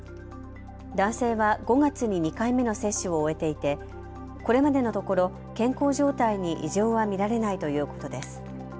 男性は５月に２回目の接種を終えていてこれまでのところ、健康状態に異常は見られないということです。